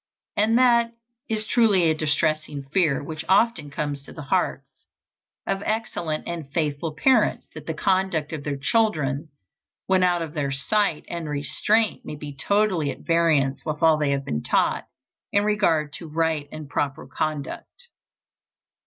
And that is truly a distressing fear which often comes to the hearts of excellent and faithful parents, that the conduct of their children when out of their sight and restraint may be totally at variance with all they have been taught in regard to right and proper conduct.